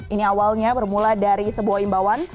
ini awalnya bermula dari sebuah imbauan